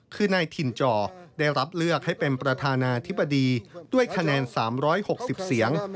คือนายทินจได้รับเลือกให้เป็นประธานาธิบดี